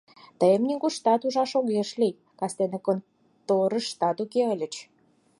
Тыйым нигушанат ужаш ыш лий, кастене конторыштат уке ыльыч.